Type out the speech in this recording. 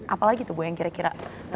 apa lagi tuh bu yang kira kira terlalu